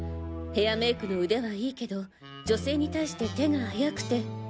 ヘアメイクの腕は良いけど女性に対して手が早くて。